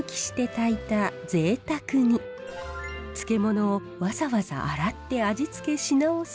漬物をわざわざ洗って味付けし直す